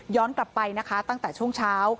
ย้อนกลับไปตั้งแต่ช่วงเช้า